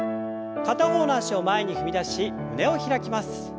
片方の脚を前に踏み出し胸を開きます。